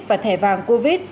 và thẻ vàng covid